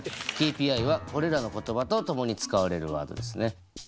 ＫＰＩはこれらの言葉と共に使われるワードですね。